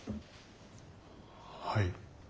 はい。